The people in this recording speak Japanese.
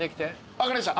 分かりました。